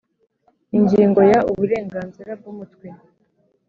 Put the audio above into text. Ingingo ya uburenganzira bw umutwe